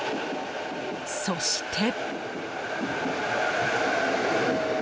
そして。